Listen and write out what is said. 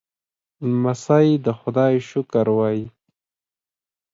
لمسی د خدای شکر وايي.